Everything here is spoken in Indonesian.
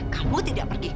kamu tidak pergi